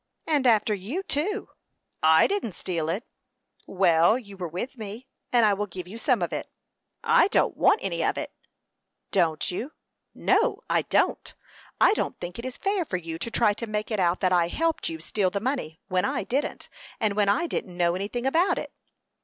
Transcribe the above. "And after you, too." "I didn't steal it." "Well, you were with me, and I will give you some of it." "I don't want any of it." "Don't you?" "No, I don't; I don't think it is fair for you to try to make it out that I helped you steal the money, when I didn't, and when I didn't know anything about it."